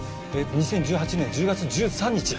２０１８年１０月１３日。